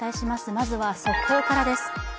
まずは速報からです。